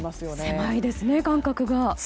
狭いですね、間隔が。